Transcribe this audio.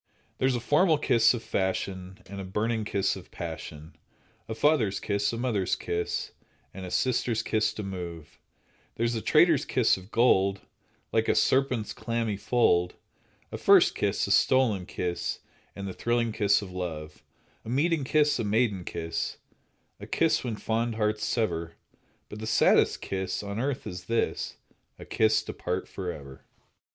There's a formal kiss of fashion, And a burning kiss of passion, A father's kiss, A mother's kiss, And a sister's kiss to move; There's a traitor's kiss of gold, Like a serpent's clammy fold, A first kiss, A stolen kiss, And the thrilling kiss of love; A meeting kiss, A maiden kiss, A kiss when fond hearts sever, But the saddest kiss On earth is this— A kiss to part forever.